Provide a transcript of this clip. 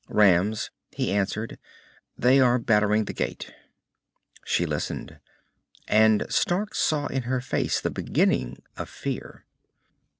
"Rams," he answered. "They are battering the gate." She listened, and Stark saw in her face the beginning of fear.